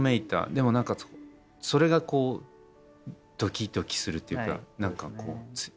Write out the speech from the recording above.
でも何かそれがこうドキドキするっていうか何かこう色っぽいというか。